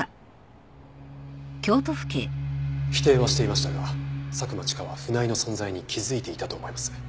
否定はしていましたが佐久間千佳は船井の存在に気づいていたと思います。